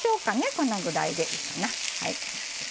こんなぐらいでいいかな。